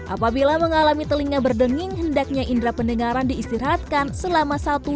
apabila mengalami telinga berdenging hendaknya indera pendengaran diistirahatkan selama satu jam